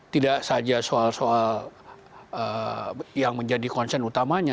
tidak saja soal soal yang menjadi konsen utamanya